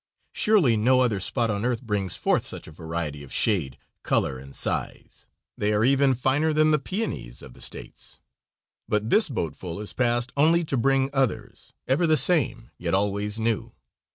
Surely no other spot on earth brings forth such a variety of shade, color, and size. They are even finer than the peonies of the States. But this boatful has passed only to bring others, ever the same, yet always new.